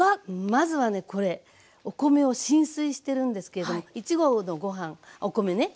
まずはねこれお米を浸水してるんですけれども１合のご飯お米ね。